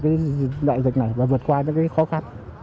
để vượt qua đại dịch này và vượt qua những khó khăn